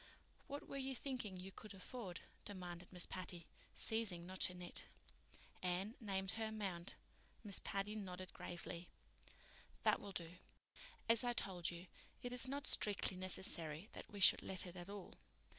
"What were you thinking you could afford?" demanded Miss Patty, ceasing not to knit. Anne named her amount. Miss Patty nodded gravely. "That will do. As I told you, it is not strictly necessary that we should let it at all.